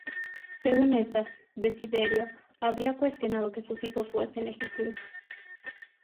Según estas, Desiderio había cuestionado que sus hijos fuesen legítimos.